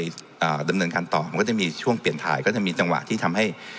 อ่าดำเนินการต่อมันก็จะมีช่วงเปลี่ยนถ่ายก็จะมีจังหวะที่ทำให้